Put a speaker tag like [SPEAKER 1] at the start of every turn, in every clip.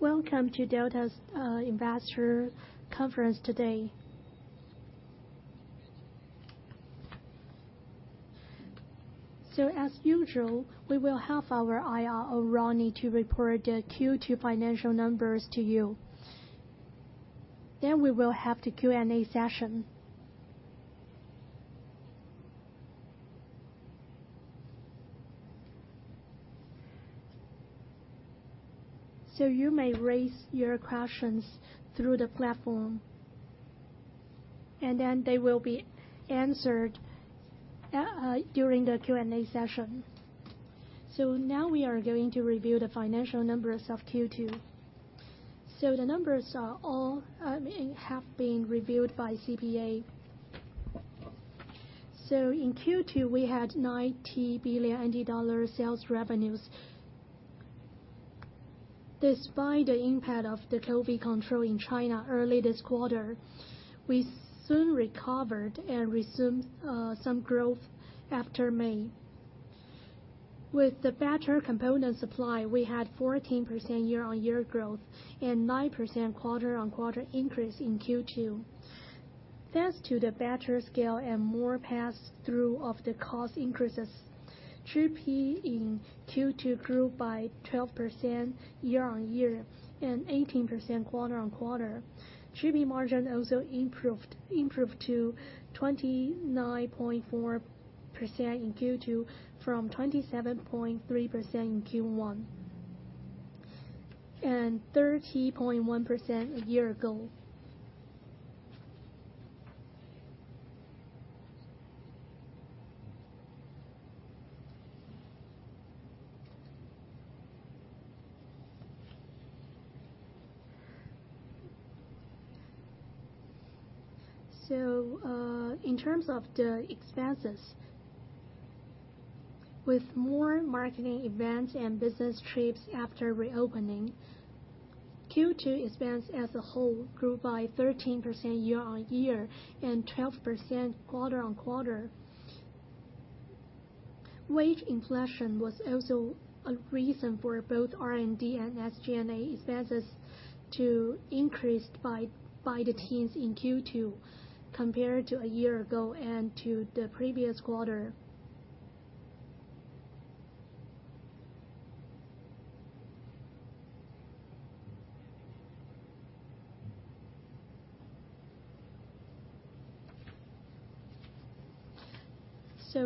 [SPEAKER 1] Welcome to Delta's investor conference today. As usual, we will have our IR, Ronnie, to report the Q2 financial numbers to you. We will have the Q&A session. You may raise your questions through the platform, and then they will be answered during the Q&A session. Now we are going to review the financial numbers of Q2. The numbers all have been reviewed by CPA. In Q2, we had 90 billion dollar sales revenues. Despite the impact of the COVID control in China early this quarter, we soon recovered and resumed some growth after May. With the better component supply, we had 14% year-on-year growth and 9% quarter-on-quarter increase in Q2. Thanks to the better scale and more pass-through of the cost increases, GP in Q2 grew by 12% year-on-year and 18% quarter-on-quarter. GP margin also improved to 29.4% in Q2 from 27.3% in Q1, and 30.1% a year ago. In terms of the expenses, with more marketing events and business trips after reopening, Q2 expense as a whole grew by 13% year-on-year and 12% quarter-on-quarter. Wage inflation was also a reason for both R&D and SG&A expenses to increase by the tens in Q2 compared to a year ago and to the previous quarter.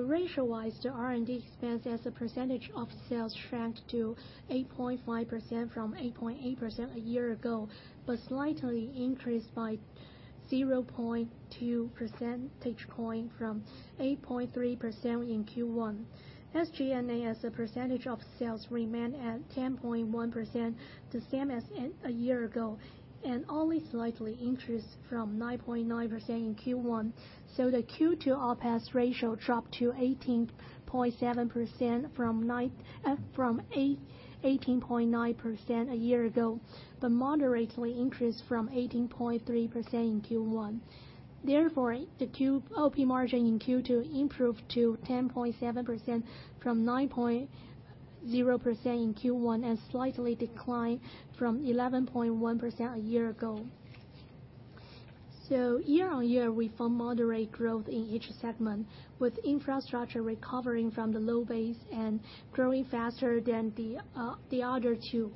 [SPEAKER 1] Ratio-wise, the R&D expense as a percentage of sales shrank to 8.5% from 8.8% a year ago, but slightly increased by 0.2 percentage point from 8.3% in Q1. SG&A, as a percentage of sales, remained at 10.1% the same as in a year ago, and only slightly increased from 9.9% in Q1. The Q2 OpEx ratio dropped to 18.7% from 18.9% a year ago, but moderately increased from 18.3% in Q1. The OP margin in Q2 improved to 10.7% from 9.0% in Q1, and slightly declined from 11.1% a year ago. Year-on-year, we found moderate growth in each segment, with Infrastructure recovering from the low base and growing faster than the other two.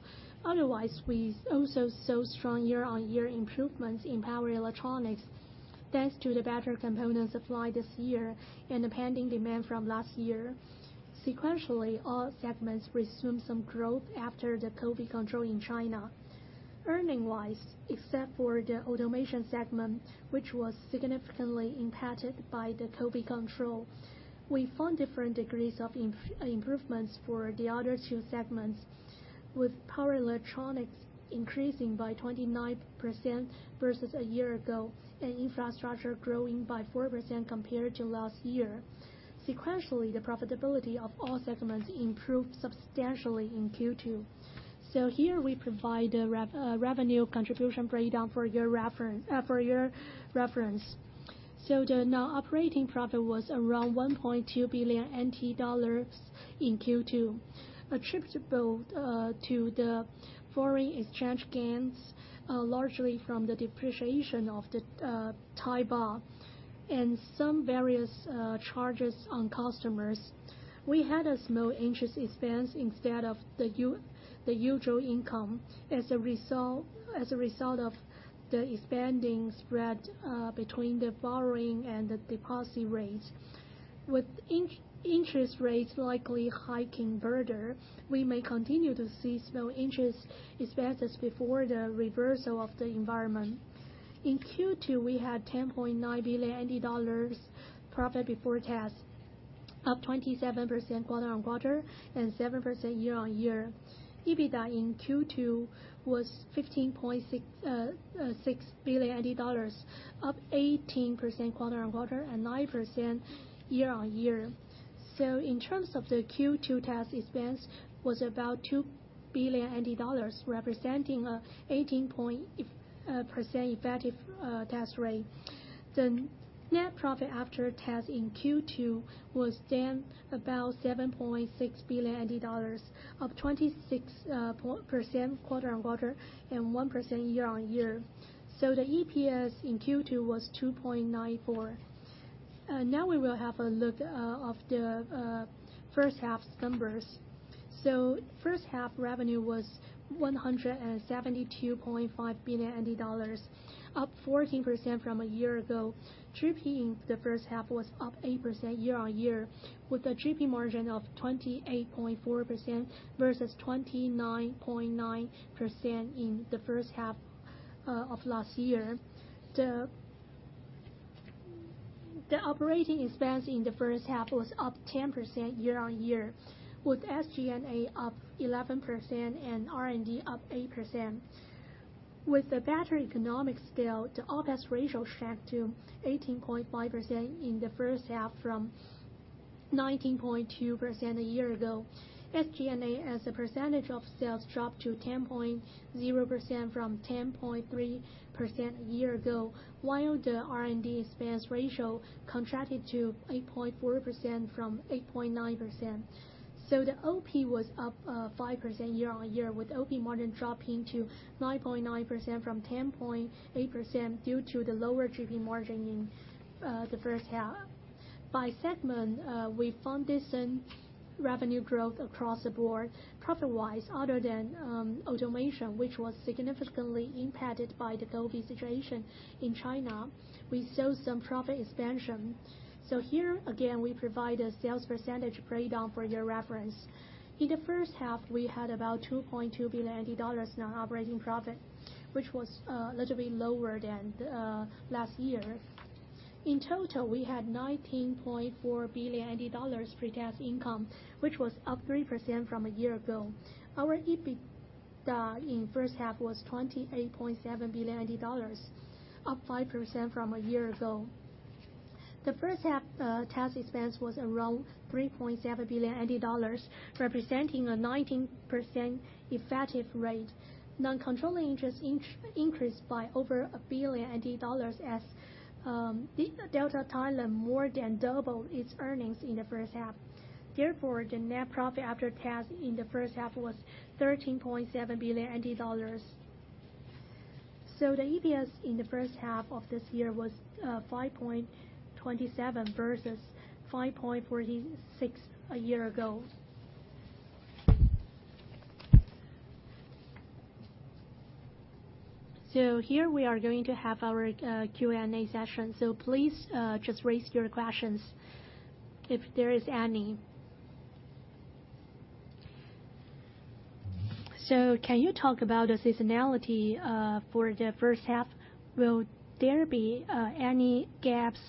[SPEAKER 1] Otherwise, we also saw strong year-on-year improvements in Power Electronics, thanks to the better component supply this year and the pending demand from last year. Sequentially, all segments resumed some growth after the COVID control in China. Earnings-wise, except for the Automation segment, which was significantly impacted by the COVID control, we found different degrees of improvements for the other two segments, with Power Electronics increasing by 29% versus a year ago, and Infrastructure growing by 4% compared to last year. Sequentially, the profitability of all segments improved substantially in Q2. Here we provide a revenue contribution breakdown for your reference. The non-operating profit was around 1.2 billion NT dollars in Q2. Attributable to the foreign exchange gains, largely from the depreciation of the Thai baht and some various charges on customers. We had a small interest expense instead of the usual income as a result of the expanding spread between the borrowing and the deposit rates. With interest rates likely hiking further, we may continue to see small interest expenses before the reversal of the environment. In Q2, we had 10.9 billion dollars profit before tax, up 27% quarter-on-quarter and 7% year-on-year. EBITDA in Q2 was 15.6 billion dollars, up 18% quarter-on-quarter and 9% year-on-year. In terms of the Q2 tax expense was about 2 billion, representing 18% effective tax rate. The net profit after tax in Q2 was then about TWD 7.6 billion, up 26% quarter-on-quarter, and 1% year-on-year. The EPS in Q2 was 2.94. Now we will have a look at the first half's numbers. First half revenue was 172.5 billion dollars, up 14% from a year ago. GP in the first half was up 8% year-on-year, with a GP margin of 28.4% versus 29.9% in the first half of last year. The operating expense in the first half was up 10% year-on-year, with SG&A up 11% and R&D up 8%. With the better economies of scale, the OpEx ratio shrank to 18.5% in the first half from 19.2% a year ago. SG&A, as a percentage of sales, dropped to 10.0% from 10.3% a year ago, while the R&D expense ratio contracted to 8.4% from 8.9%. The OP was up 5% year-on-year, with OP margin dropping to 9.9% from 10.8% due to the lower GP margin in the first half. By segment, we found decent revenue growth across the board. Profit-wise, other than Automation, which was significantly impacted by the COVID situation in China, we saw some profit expansion. Here again, we provide a sales percentage breakdown for your reference. In the first half, we had about 2.2 billion dollars non-operating profit, which was a little bit lower than last year. In total, we had NTD 19.4 billion pre-tax income, which was up 3% from a year ago. Our EBITDA in first half was NTD 28.7 billion, up 5% from a year ago. The first half tax expense was around NTD 3.7 billion, representing a 19% effective rate. Non-controlling interest increased by over a billion NTD as the Delta Thailand more than doubled its earnings in the first half. Therefore, the net profit after tax in the first half was NTD 13.7 billion. The EPS in the first half of this year was 5.27 versus 5.46 a year ago. Here we are going to have our Q&A session. Please just raise your questions if there is any. Can you talk about the seasonality for the first half? Will there be any gaps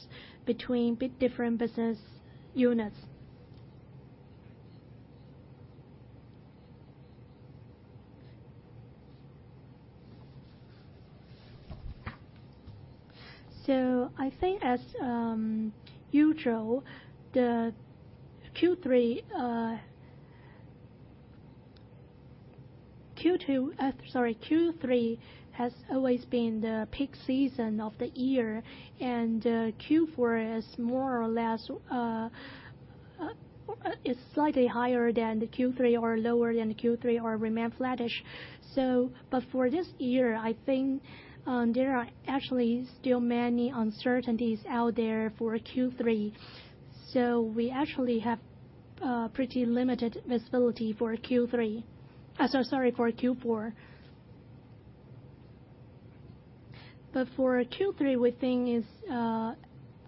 [SPEAKER 1] between different business units? I think as usual, Q3 has always been the peak season of the year, and Q4 is more or less slightly higher than Q3 or lower than Q3 or remain flattish. For this year, I think there are actually still many uncertainties out there for Q3. We actually have pretty limited visibility for Q3. Sorry, for Q4. For Q3, we think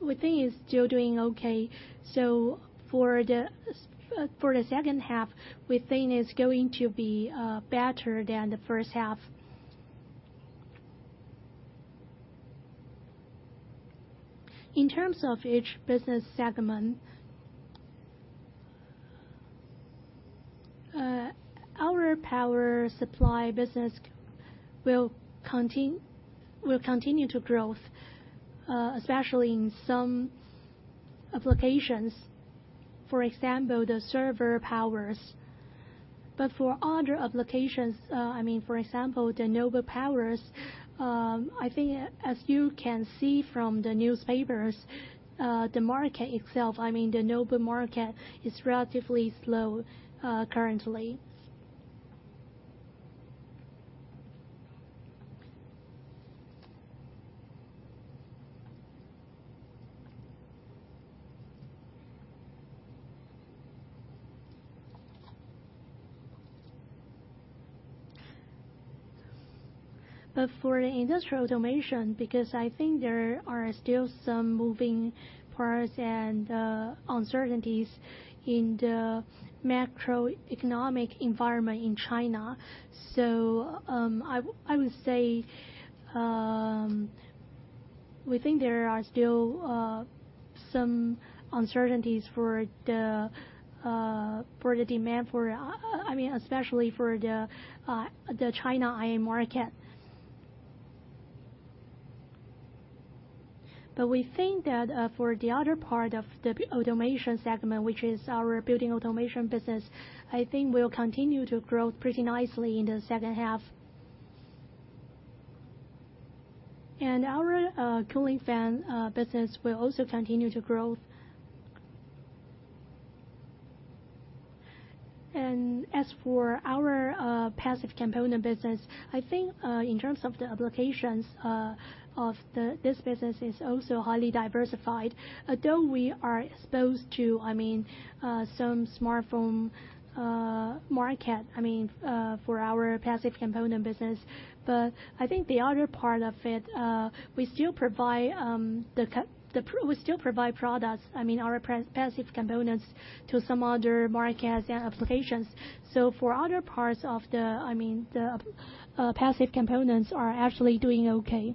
[SPEAKER 1] is still doing okay. For the second half, we think it's going to be better than the first half. In terms of each business segment, our power supply business will continue to grow, especially in some applications, for example, the server powers. For other applications, I mean, for example, the notebook powers, I think as you can see from the newspapers, the market itself, I mean, the notebook market is relatively slow, currently. For the industrial automation, because I think there are still some moving parts and uncertainties in the macroeconomic environment in China. I would say, we think there are still some uncertainties for the demand for, I mean, especially for the China IA market. We think that for the other part of the automation segment, which is our building automation business, I think we'll continue to grow pretty nicely in the second half. Our cooling fan business will also continue to grow. As for our passive component business, I think in terms of the applications of this business is also highly diversified. Although we are exposed to, I mean, some smartphone market, I mean, for our passive component business. I think the other part of it, we still provide products, I mean, our passive components to some other markets and applications. For other parts of the, I mean, the passive components are actually doing okay.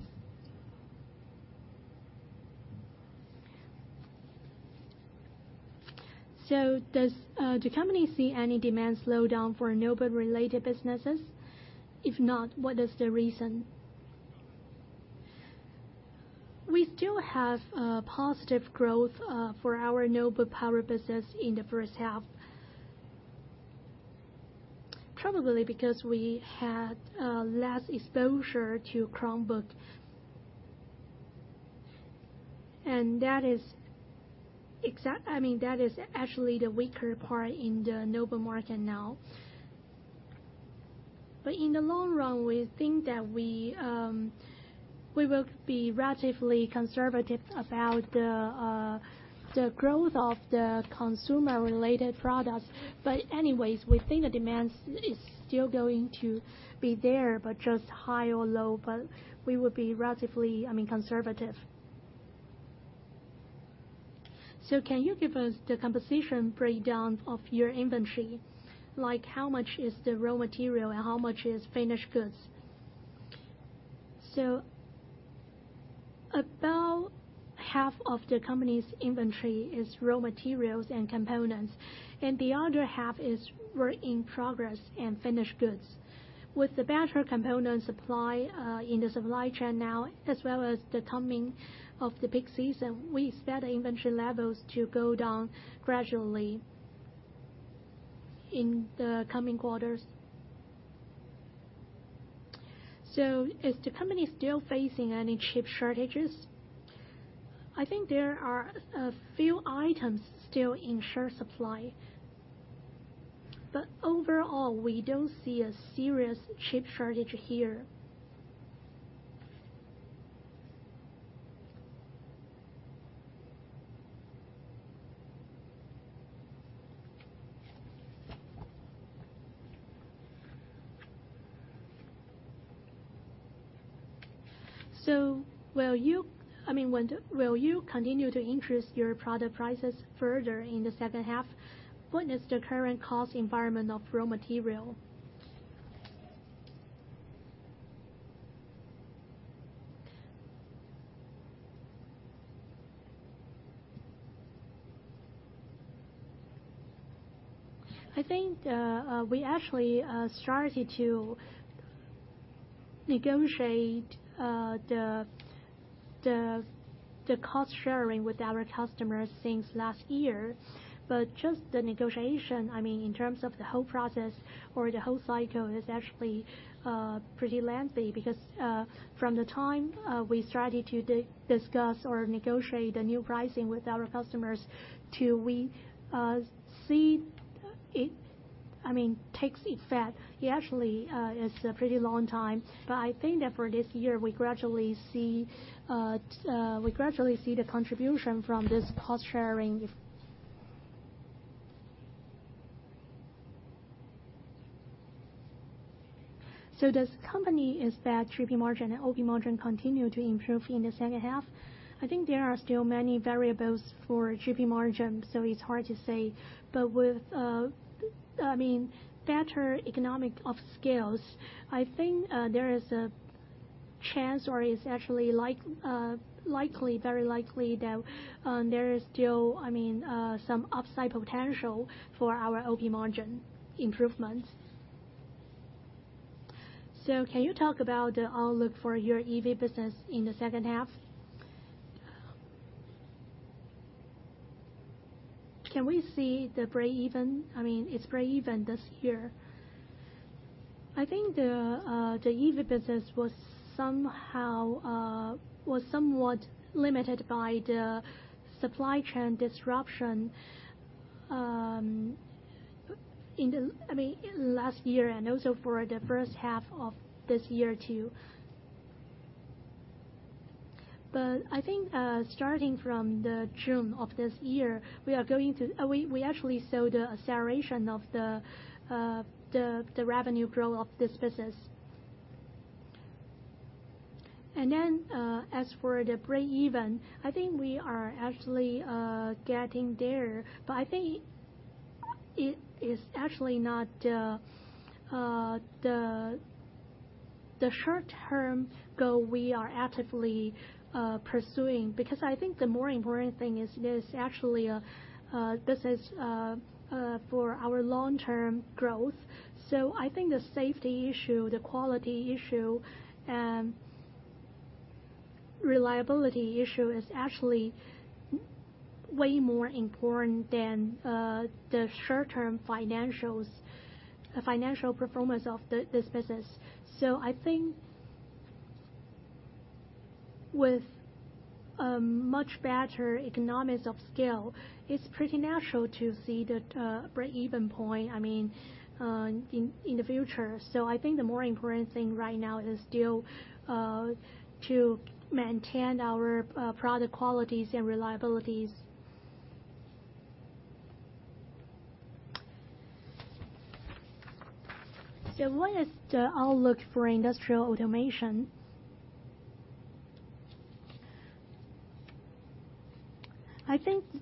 [SPEAKER 1] Does the company see any demand slowdown for notebook-related businesses? If not, what is the reason? We still have positive growth for our notebook power business in the first half. Probably because we had less exposure to Chromebook. That is actually the weaker part in the notebook market now. In the long run, we think that we will be relatively conservative about the growth of the consumer-related products. Anyways, we think the demand is still going to be there, but just high or low, but we will be relatively, I mean, conservative. Can you give us the composition breakdown of your inventory? Like, how much is the raw material and how much is finished goods? About half of the company's inventory is raw materials and components, and the other half is work in progress and finished goods. With the better component supply, in the supply chain now, as well as the coming of the peak season, we expect the inventory levels to go down gradually in the coming quarters. Is the company still facing any chip shortages? I think there are a few items still in short supply. Overall, we don't see a serious chip shortage here. Will you continue to increase your product prices further in the second half? What is the current cost environment of raw material? I think, we actually started to negotiate the cost-sharing with our customers since last year. Just the negotiation, I mean, in terms of the whole process or the whole cycle, is actually pretty lengthy because from the time we started to discuss or negotiate the new pricing with our customers till we see it, I mean, takes effect, it actually is a pretty long time. I think that for this year, we gradually see the contribution from this cost-sharing. Does company expect GP margin and OP margin continue to improve in the second half? I think there are still many variables for GP margin, so it's hard to say. With, I mean, better economies of scale, I think there is a chance, or is actually like likely, very likely that there is still, I mean, some upside potential for our OP margin improvements. Can you talk about the outlook for your EV business in the second half? Can we see the breakeven? I mean, it's breakeven this year. I think the EV business was somewhat limited by the supply chain disruption, I mean, in last year and also for the first half of this year too. I think starting from June of this year, we actually saw the acceleration of the revenue growth of this business. Then as for the breakeven, I think we are actually getting there, but I think it is actually not the short-term goal we are actively pursuing, because I think the more important thing is this is for our long-term growth. I think the safety issue, the quality issue, and reliability issue is actually way more important than the short-term financials, financial performance of this business. I think with a much better economies of scale, it's pretty natural to see the breakeven point, I mean, in the future. I think the more important thing right now is still to maintain our product qualities and reliabilities. What is the outlook for Industrial Automation? I think the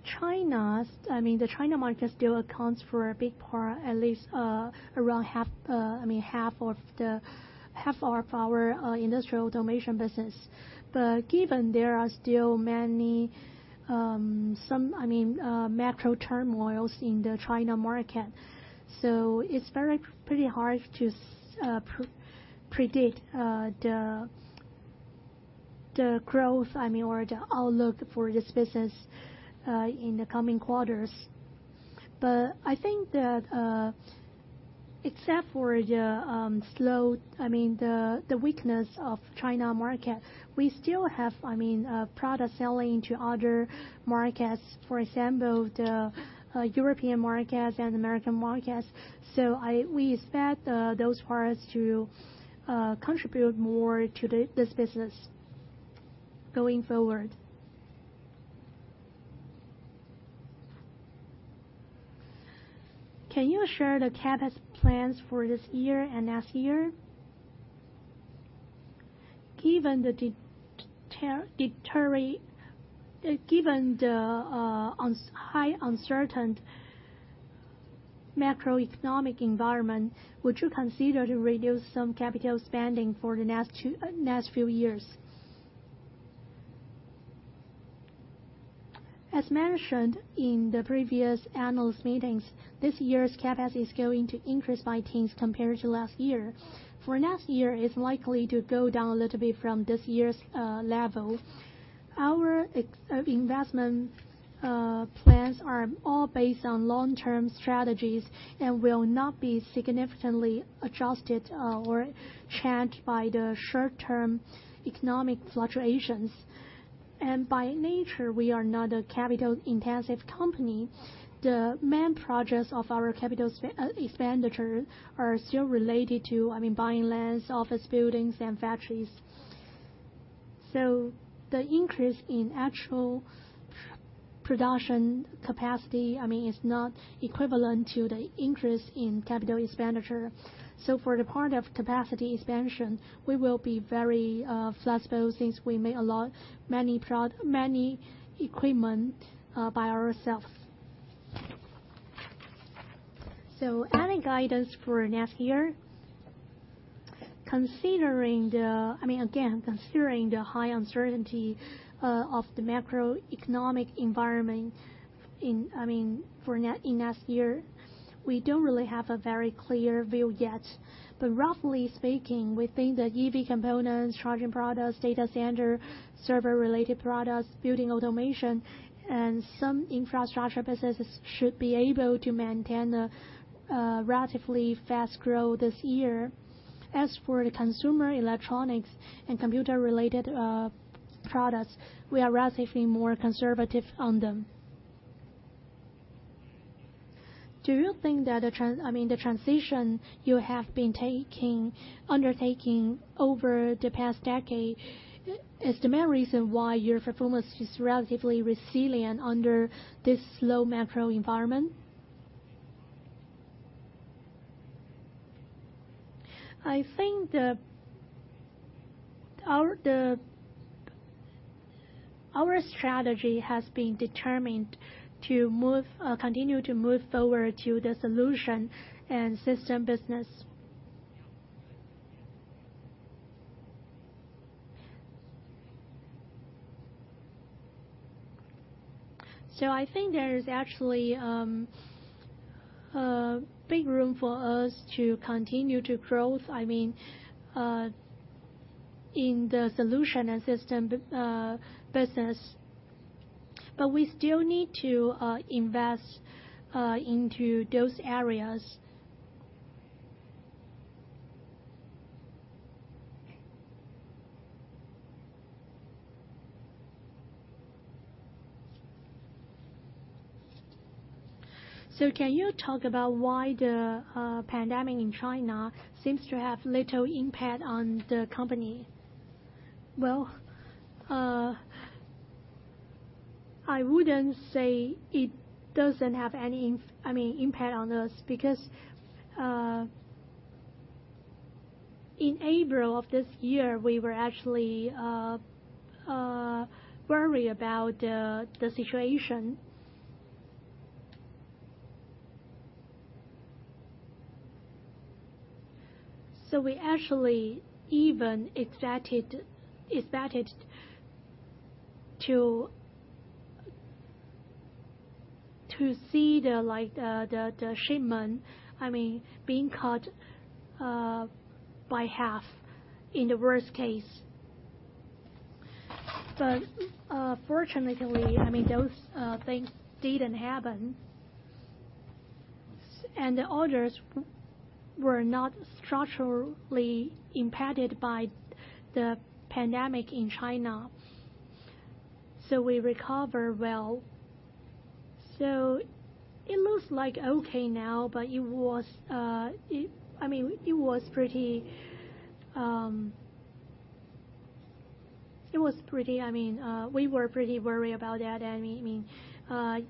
[SPEAKER 1] China market still accounts for a big part, at least, around half, I mean, half of our Industrial Automation business. Given there are still many macro turmoils in the China market, it's very pretty hard to predict the growth, I mean, or the outlook for this business in the coming quarters. I think that except for the weakness of China market, we still have, I mean, product selling to other markets. For example, the European markets and American markets. We expect those parts to contribute more to this business going forward. Can you share the CapEx plans for this year and next year? Given the highly uncertain macroeconomic environment, would you consider to reduce some capital spending for the next few years? As mentioned in the previous analyst meetings, this year's CapEx is going to increase by tens compared to last year. For next year, it's likely to go down a little bit from this year's level. Our investment plans are all based on long-term strategies and will not be significantly adjusted or changed by the short-term economic fluctuations. By nature, we are not a capital-intensive company. The main projects of our capital expenditure are still related to, I mean, buying lands, office buildings, and factories. The increase in actual production capacity, I mean, is not equivalent to the increase in capital expenditure. For the part of capacity expansion, we will be very flexible since we make a lot, many equipment by ourselves. Any guidance for next year? Considering the I mean, again, considering the high uncertainty of the macroeconomic environment in next year, we don't really have a very clear view yet. Roughly speaking, we think the EV components, charging products, data center, server-related products, building automation, and some infrastructure businesses should be able to maintain a relatively fast growth this year. As for the consumer electronics and computer-related products, we are relatively more conservative on them. Do you think that the transition you have been undertaking over the past decade is the main reason why your performance is relatively resilient under this slow macro environment? I think our strategy has been determined to continue to move forward to the solution and system business. I think there is actually big room for us to continue to grow, I mean, in the solutions and systems business. We still need to invest into those areas. Can you talk about why the pandemic in China seems to have little impact on the company? Well, I wouldn't say it doesn't have any impact on us because in April of this year, we were actually worried about the situation. We actually even expected to see like the shipment being cut by half in the worst case. Fortunately, I mean, those things didn't happen. The orders were not structurally impacted by the pandemic in China. We recover well. It looks like okay now, but it was. I mean, it was pretty. We were pretty worried about that. I mean,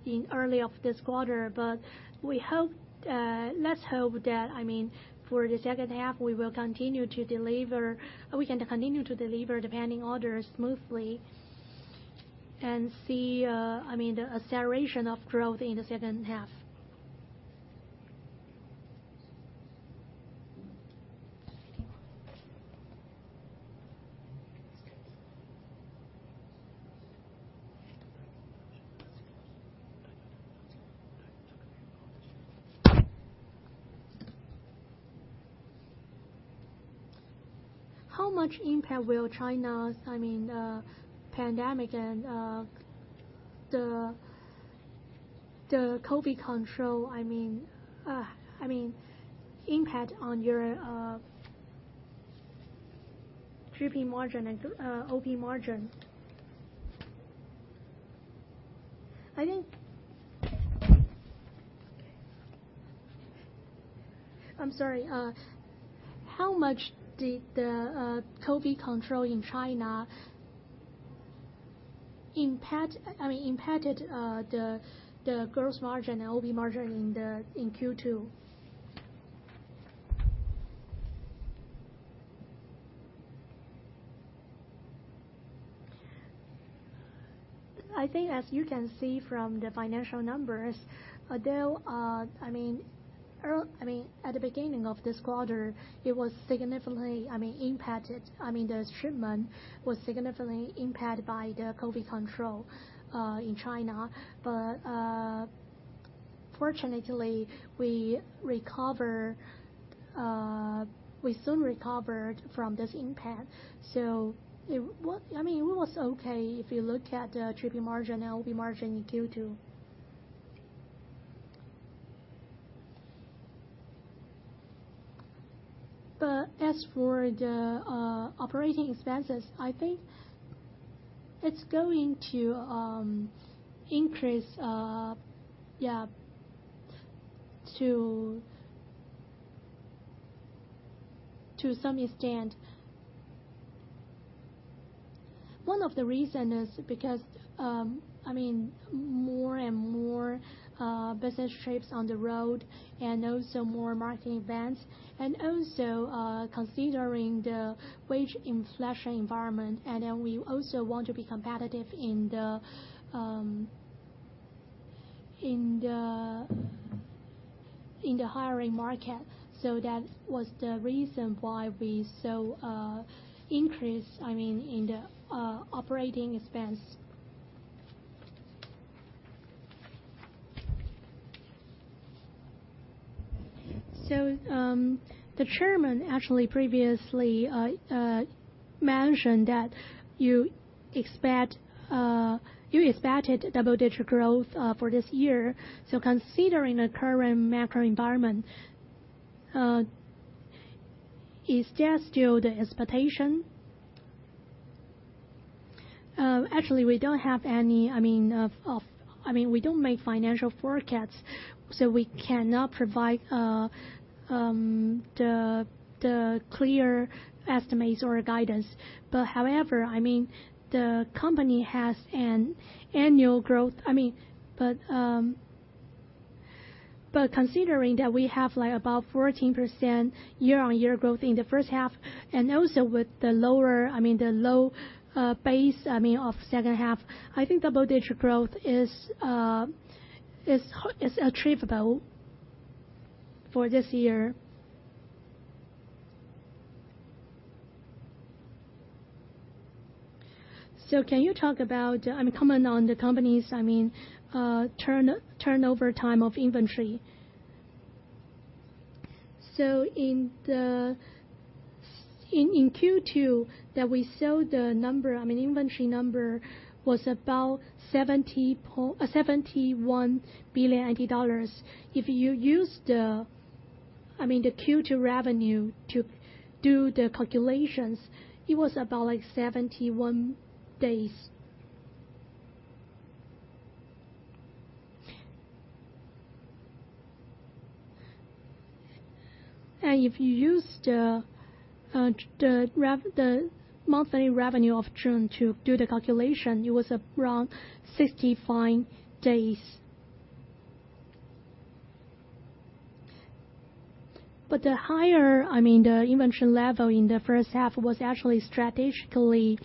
[SPEAKER 1] in early of this quarter. We hope, let's hope that, I mean, for the second half, we will continue to deliver the pending orders smoothly, and see, I mean, the acceleration of growth in the second half. How much impact will China's pandemic and the COVID control impact on your GP margin and OP margin? I'm sorry. How much did the COVID control in China impact the gross margin and OP margin in Q2? I think as you can see from the financial numbers, although I mean at the beginning of this quarter, it was significantly I mean impacted. I mean the shipment was significantly impacted by the COVID control in China. Fortunately, we soon recovered from this impact. I mean it was okay if you look at GP margin and OP margin in Q2. As for the operating expenses, I think it's going to increase to some extent. One of the reason is because I mean more and more business trips on the road and also more marketing events, and also considering the wage inflation environment. Then we also want to be competitive in the hiring market. That was the reason why we saw an increase, I mean, in the operating expense. The chairman actually previously mentioned that you expected double-digit growth for this year. Considering the current macro environment, is that still the expectation? Actually, we don't make financial forecasts, so we cannot provide the clear estimates or guidance. However, I mean, the company has an annual growth. I mean, but considering that we have like above 14% year-on-year growth in the first half, and also with the low base of second half, I think double-digit growth is achievable for this year. Can you talk about, I mean, comment on the company's, I mean, turnover time of inventory? In Q2 that we saw the number, I mean, inventory number was about 71 billion dollars. If you use the, I mean, the Q2 revenue to do the calculations, it was about like 71 days. And if you use the the monthly revenue of June to do the calculation, it was around 65 days. But the higher, I mean the inventory level in the first half was actually strategically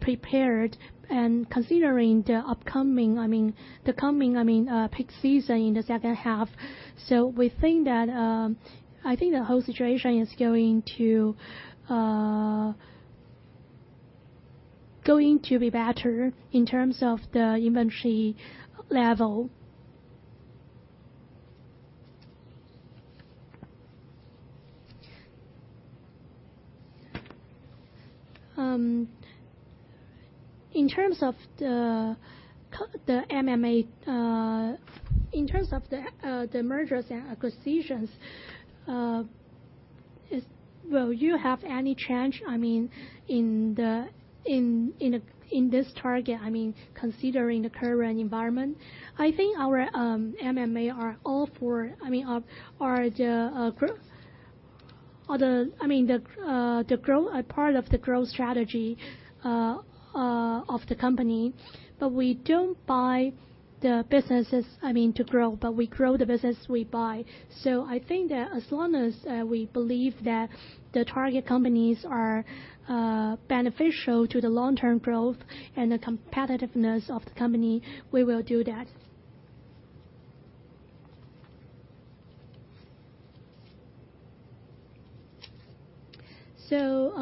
[SPEAKER 1] prepared and considering the upcoming, I mean, the coming, I mean, peak season in the second half. We think that, I think the whole situation is going to be better in terms of the inventory level. In terms of the M&A, in terms of the mergers and acquisitions, will you have any change, I mean, in this target, I mean, considering the current environment? I think our M&A, I mean, are a part of the growth strategy of the company. We don't buy the businesses, I mean, to grow, but we grow the business we buy. I think that as long as we believe that the target companies are beneficial to the long-term growth and the competitiveness of the company, we will do that.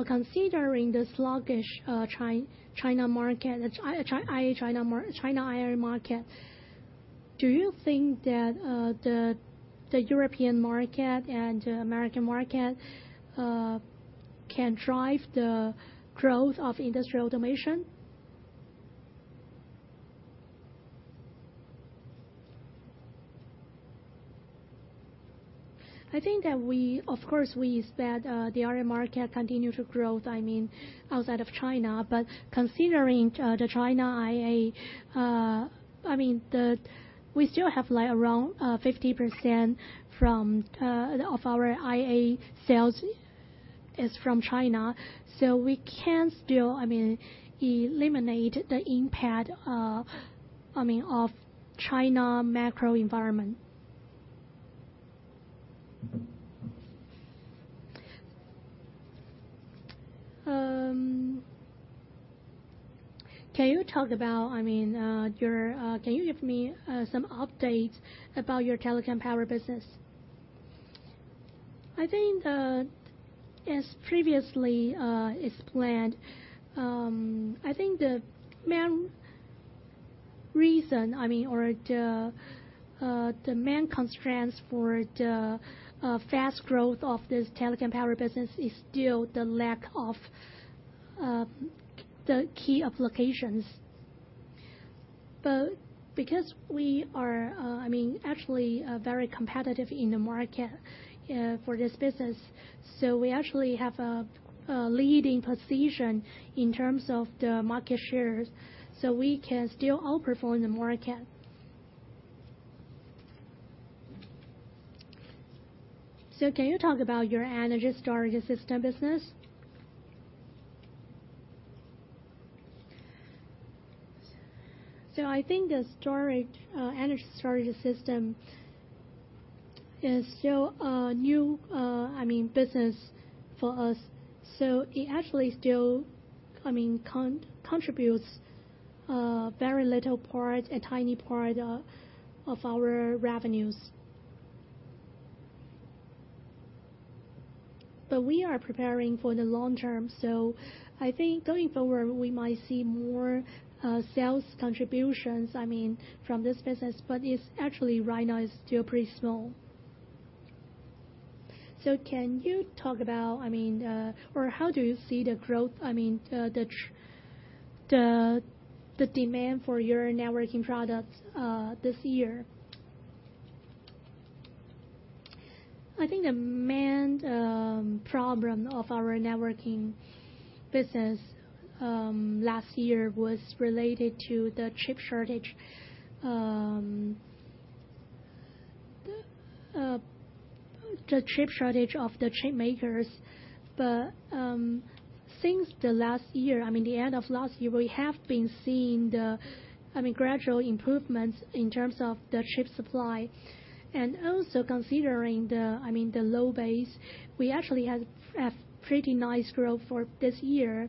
[SPEAKER 1] Considering the sluggish China market, the China IA market, do you think that the European market and the American market can drive the growth of industrial automation? Of course, we expect the IA market to continue to grow, I mean, outside of China. But considering the China IA, I mean, we still have like around 50% of our IA sales is from China, so we still can't eliminate the impact, I mean, of China macro environment. Can you give me some updates about your telecom power business? I think that, as previously explained, I think the main reason, I mean, or the main constraints for the fast growth of this telecom power business is still the lack of the key applications. Because we are, I mean, actually very competitive in the market for this business, so we actually have a leading position in terms of the market shares, so we can still outperform the market. Can you talk about your energy storage system business? I think the storage energy storage system is still a new, I mean, business for us, so it actually still, I mean, contributes very little part, a tiny part of our revenues. We are preparing for the long term, so I think going forward, we might see more sales contributions, I mean, from this business, but it's actually right now still pretty small. Can you talk about, I mean, or how do you see the growth, I mean, the demand for your networking products this year? I think the main problem of our networking business last year was related to the chip shortage. The chip shortage of the chip makers. Since last year, I mean, the end of last year, we have been seeing the, I mean, gradual improvements in terms of the chip supply. Also considering the, I mean, the low base, we actually had pretty nice growth for this year.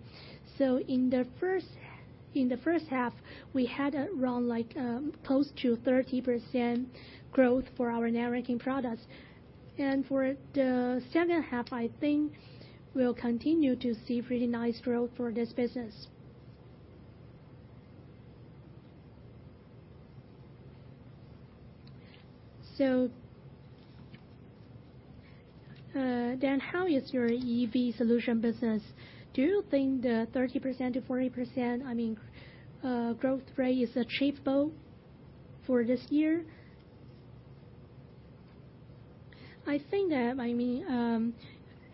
[SPEAKER 1] In the first half, we had around like close to 30% growth for our networking products. For the second half, I think we'll continue to see pretty nice growth for this business. How is your EV solution business? Do you think the 30%-40%, I mean, growth rate is achievable for this year? I think that, I mean,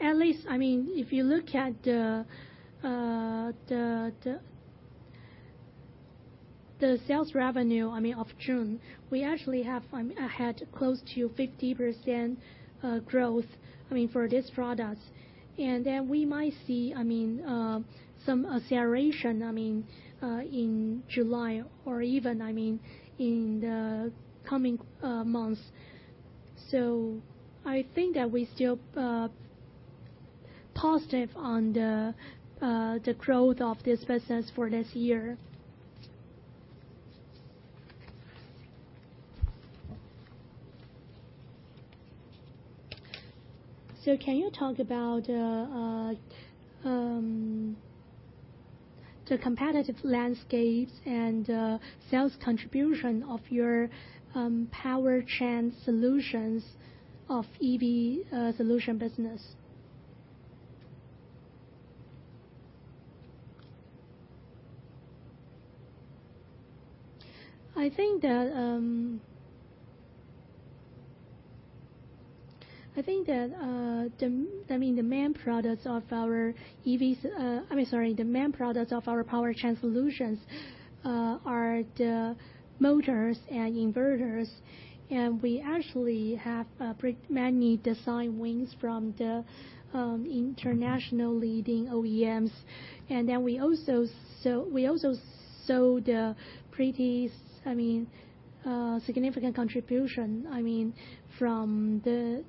[SPEAKER 1] at least, I mean, if you look at the sales revenue, I mean, of June, we actually have ahead close to 50%, growth, I mean, for this product. We might see, I mean, some acceleration, I mean, in July or even, I mean, in the coming months. I think that we're still positive on the growth of this business for this year. Can you talk about the competitive landscapes and sales contribution of your powertrain solutions of EV solution business? I think that the main products of our powertrain solutions are the motors and inverters. We actually have many design wins from the international leading OEMs. We also have pretty significant contribution, I mean, from the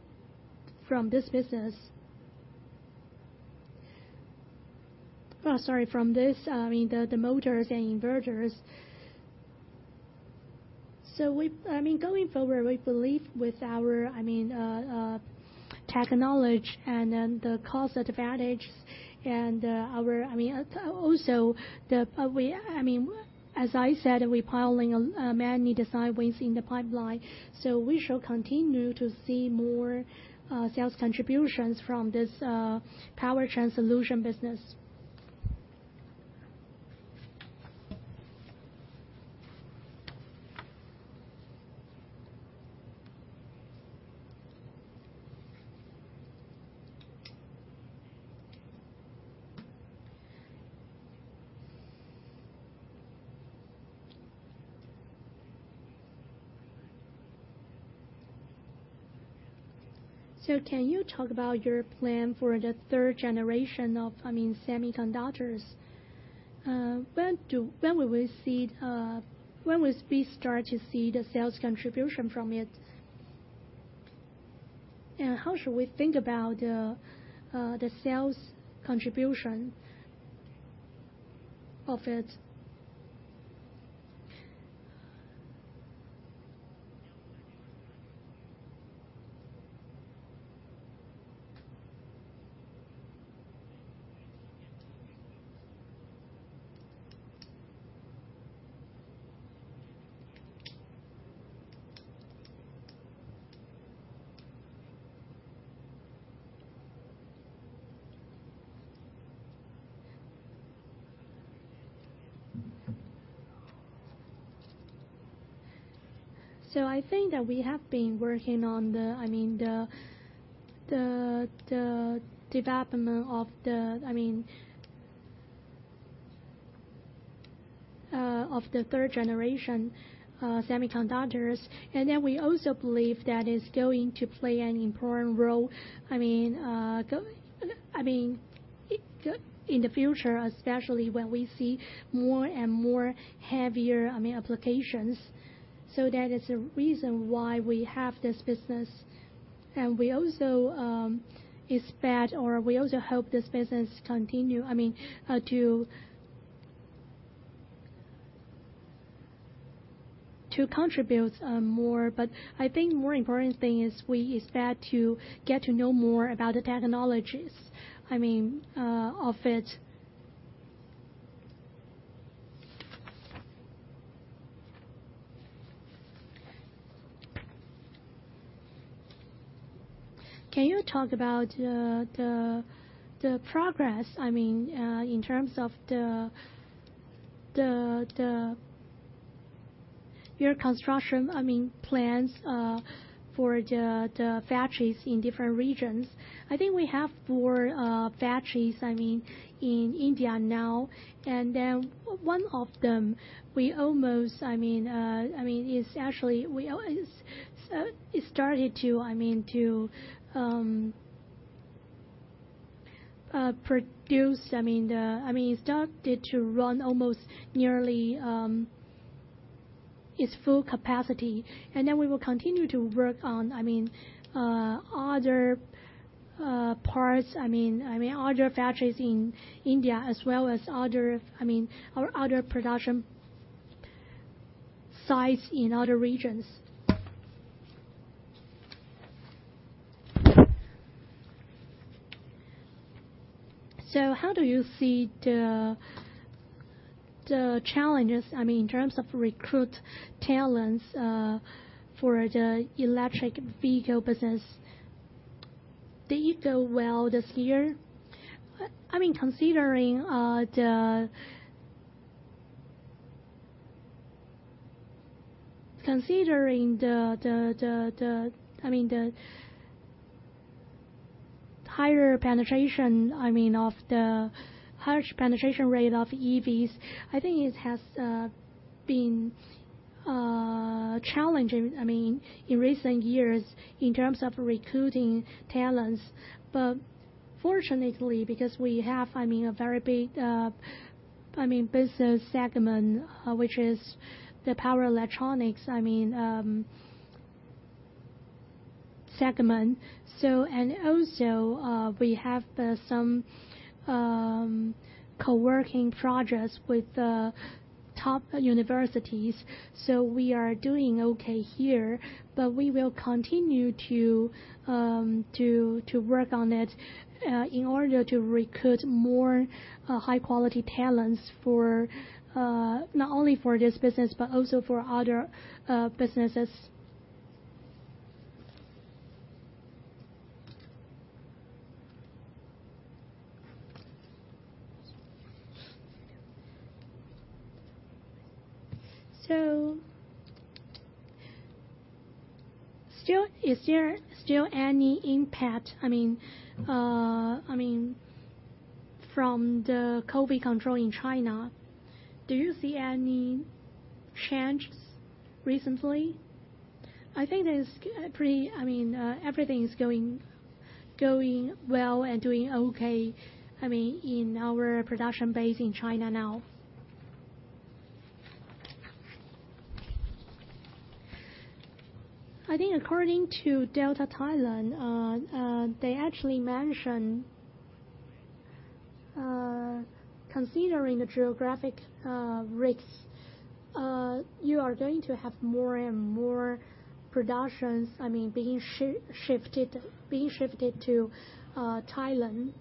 [SPEAKER 1] motors and inverters. I mean, going forward, we believe with our, I mean, technology and then the cost advantage and our, I mean, also as I said, we're piling many design wins in the pipeline. We shall continue to see more sales contributions from this powertrain solution business. Can you talk about your plan for the third generation of, I mean, semiconductors? When will we start to see the sales contribution from it? And how should we think about the sales contribution of it? I think that we have been working on the, I mean, the development of the, I mean, of the third-generation semiconductors. We also believe that it's going to play an important role, I mean, in the future, especially when we see more and more heavier applications. That is a reason why we have this business. We also expect or we also hope this business continue, I mean, to contribute more. I think more important thing is we expect to get to know more about the technologies, I mean, of it. Can you talk about the progress, I mean, in terms of your construction plans for the factories in different regions? I think we have four factories, I mean, in India now. One of them, we almost, I mean, it's actually it started to run almost nearly its full capacity. We will continue to work on, I mean, other parts, I mean, other factories in India as well as other, I mean, our other production sites in other regions. How do you see the challenges, I mean, in terms of recruit talents for the electric vehicle business? Did it go well this year? I mean, considering the higher penetration rate of EVs, I think it has been challenging, I mean, in recent years in terms of recruiting talents. Fortunately, because we have, I mean, a very big, I mean, business segment, which is the Power Electronics, I mean, segment, and also, we have some co-working projects with top universities. We are doing okay here, but we will continue to work on it in order to recruit more high-quality talents for not only for this business, but also for other businesses. Is there still any impact, I mean, from the COVID control in China? Do you see any changes recently? I think there's pretty, I mean, everything is going well and doing okay, I mean, in our production base in China now. I think according to Delta Thailand, they actually mentioned, considering the geographic risks, you are going to have more and more productions, I mean, being shifted to Thailand.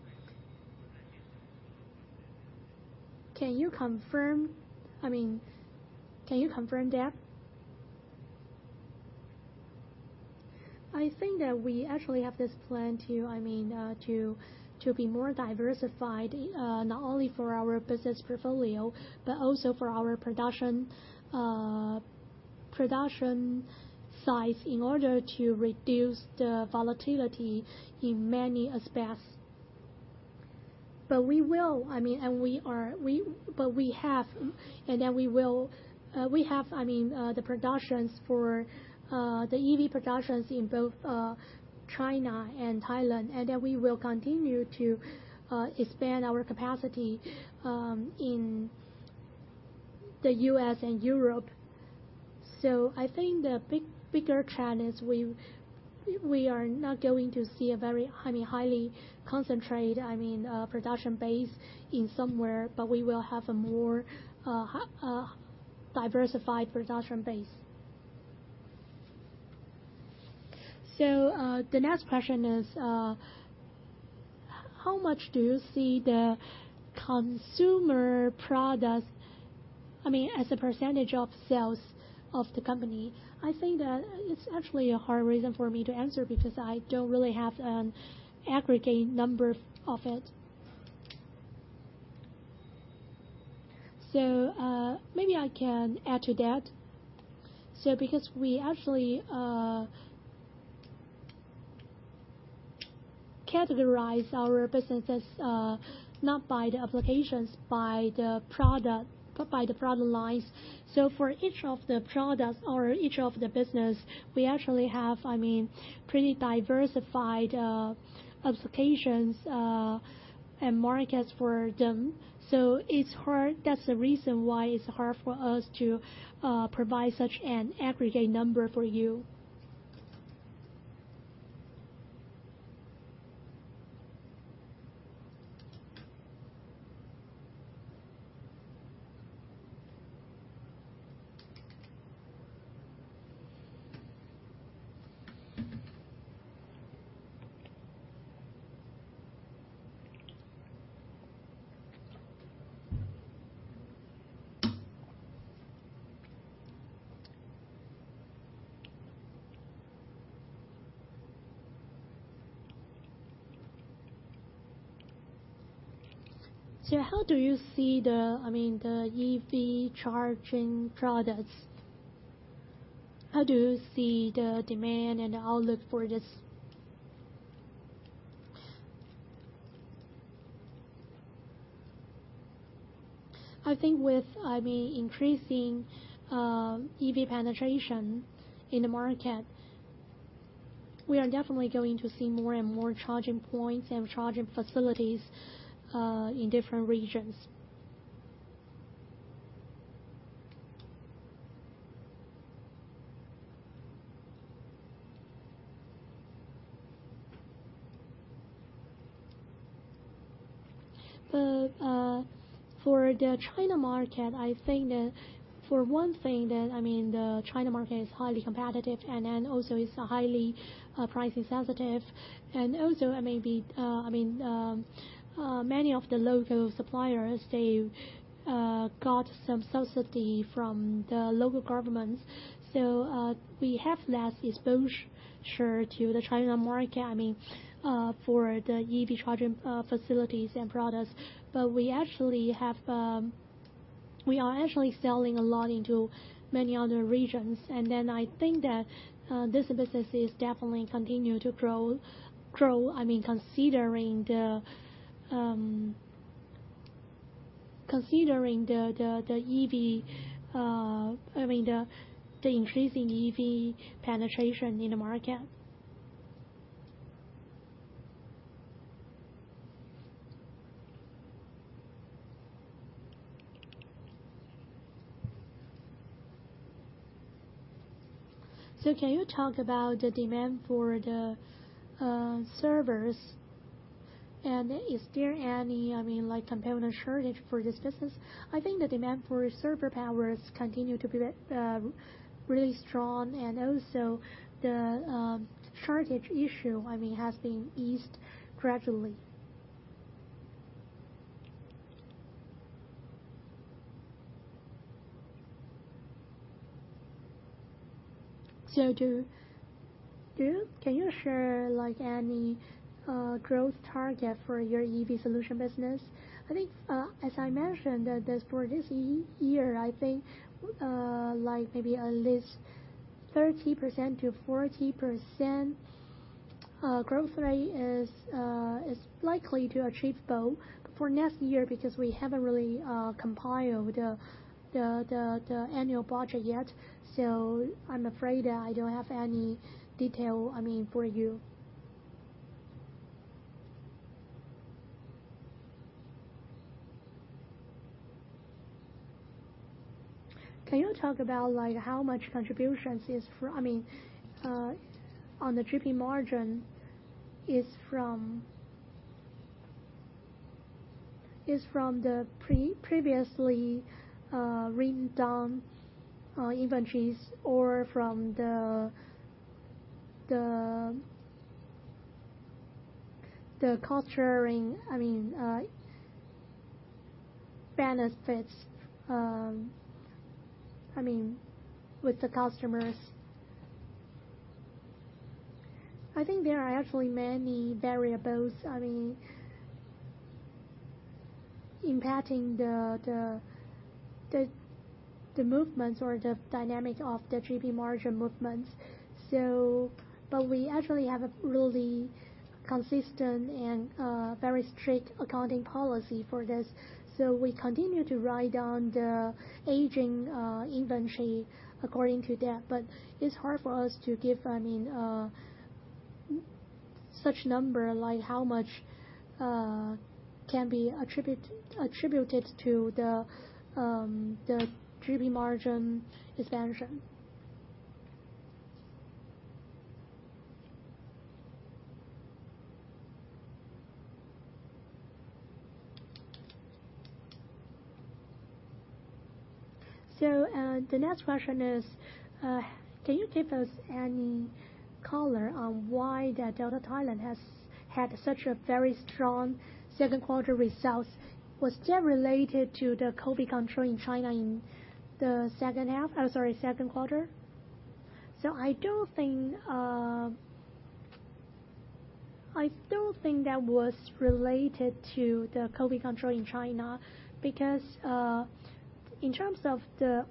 [SPEAKER 1] Can you confirm that? I think that we actually have this plan to, I mean, to be more diversified, not only for our business portfolio, but also for our production site in order to reduce the volatility in many aspects. We will, I mean, we are, but we have the EV productions in both China and Thailand, and we will continue to expand our capacity in the U.S. and Europe. I think the bigger trend is we are not going to see a very highly concentrated production base in somewhere, but we will have a more diversified production base. The next question is how much do you see the consumer products, I mean, as a percentage of sales of the company? I think that it's actually a hard question for me to answer, because I don't really have an aggregate number of it. Maybe I can add to that. Because we actually categorize our businesses not by the applications, by the product, but by the product lines. For each of the products or each of the businesses, we actually have, I mean, pretty diversified applications and markets for them. It's hard. That's the reason why it's hard for us to provide such an aggregate number for you. How do you see the, I mean, the EV charging products? How do you see the demand and the outlook for this? I think with, I mean, increasing EV penetration in the market, we are definitely going to see more and more charging points and charging facilities in different regions. For the China market, I think that for one thing, I mean, the China market is highly competitive and then also it's highly price sensitive. Also, maybe, I mean, many of the local suppliers, they've got some subsidy from the local governments. We have less exposure to the China market, I mean, for the EV charging facilities and products. We are actually selling a lot into many other regions. I think that this business is definitely continue to grow. I mean, considering the EV, I mean the increasing EV penetration in the market. Can you talk about the demand for the servers, and is there any, I mean, like, component shortage for this business? I think the demand for server powers continue to be really strong and also the shortage issue, I mean, has been eased gradually. Can you share, like, any growth target for your EV solution business? I think, as I mentioned, that's for this year, I think, like maybe at least 30%-40% growth rate is likely to achieve both. For next year, because we haven't really compiled the annual budget yet, so I'm afraid I don't have any detail, I mean, for you. Can you talk about, like, how much contributions is. I mean, on the shipping margin is from the previously written down inventories or from the benefits with the customers. I think there are actually many variables, I mean, impacting the movements or the dynamic of the shipping margin movements. But we actually have a really consistent and very strict accounting policy for this. We continue to write down the aging inventory according to that. But it's hard for us to give, I mean, such number, like how much can be attributed to the shipping margin expansion. The next question is, can you give us any color on why Delta Thailand has had such a very strong second quarter results? Was that related to the COVID control in China in the second quarter? I don't think that was related to the COVID control in China because, in terms of the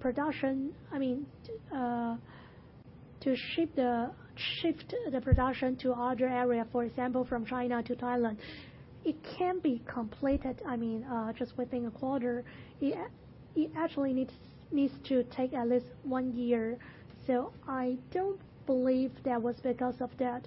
[SPEAKER 1] production, I mean, to shift the production to other area, for example, from China to Thailand, it can be completed, I mean, just within a quarter. It actually needs to take at least one year. I don't believe that was because of that.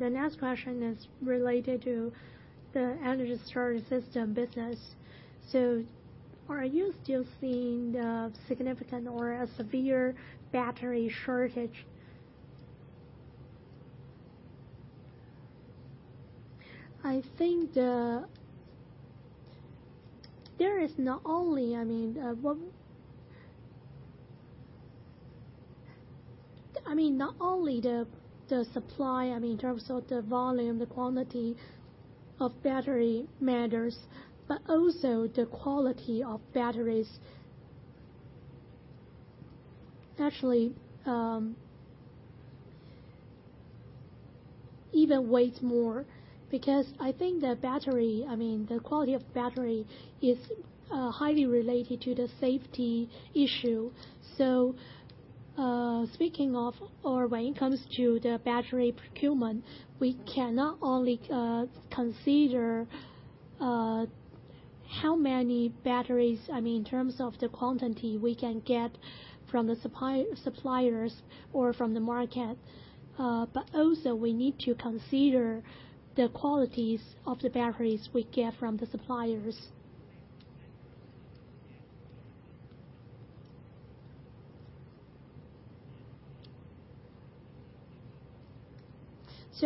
[SPEAKER 1] The next question is related to the energy storage system business. Are you still seeing the significant or a severe battery shortage? I think the. There is not only, I mean, not only the supply, I mean, in terms of the volume, the quantity of battery matters, but also the quality of batteries. Actually, even weighs more because I think the battery, I mean, the quality of battery is highly related to the safety issue. Speaking of or when it comes to the battery procurement, we cannot only consider how many batteries, I mean, in terms of the quantity we can get from the suppliers or from the market, but also we need to consider the qualities of the batteries we get from the suppliers.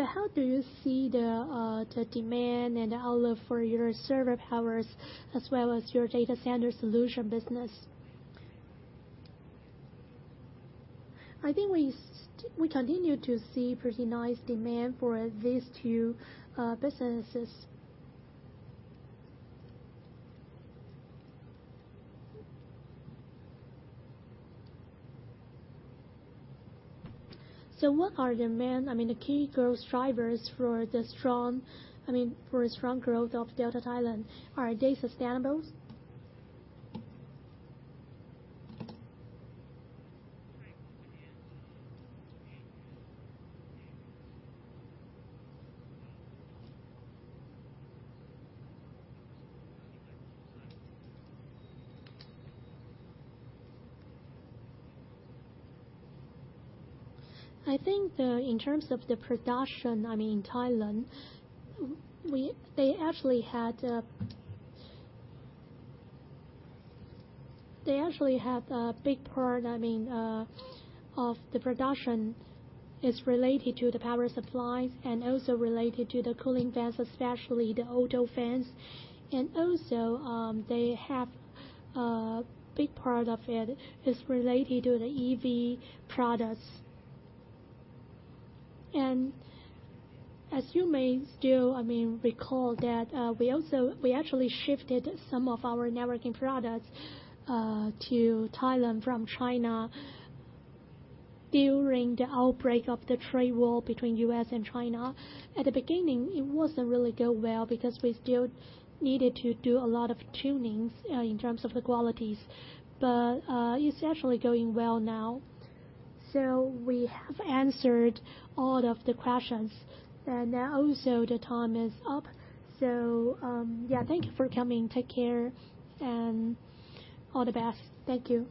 [SPEAKER 1] How do you see the demand and the outlook for your server powers as well as your data center solution business? I think we continue to see pretty nice demand for these two businesses. What are the key growth drivers for a strong growth of Delta Thailand? Are they sustainable? In terms of the production in Thailand, they actually have a big part of the production related to the power supplies and also related to the cooling fans, especially the automotive fans. They also have a big part of it related to the EV products. As you may still recall, we actually shifted some of our networking products to Thailand from China during the outbreak of the trade war between the U.S. and China. At the beginning, it wasn't really go well because we still needed to do a lot of tunings in terms of the qualities, but it's actually going well now. We have answered all of the questions, and now also the time is up. Yeah, thank you for coming. Take care, and all the best. Thank you.